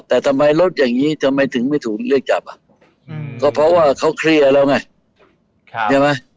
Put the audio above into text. แต่ทำไมรถอย่างนี้ทำไมถึงไม่ถูกเรียกจับอ่ะก็เพราะว่าเขาเคลียร์แล้วไงใช่ไหม